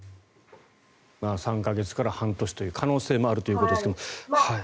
３か月から半年という可能性もあるということですが。